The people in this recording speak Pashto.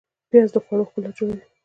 پیاز د خوړو ښکلا جوړوي